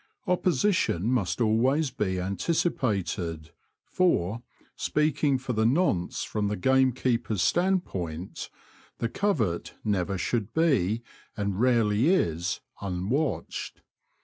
Oppo sition must alwavs be an ticipated, for, speaking for the nonce from the game keeper's stand point, the covert never should be, and rarely ^ 7 is, unwatched.